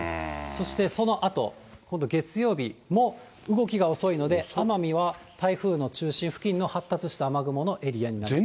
そしてそのあと、今度月曜日も動きが遅いので、奄美は台風の中心付近の発達した雨雲のエリアになります。